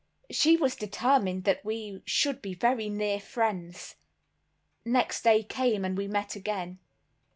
She was determined that we should be very near friends. Next day came and we met again.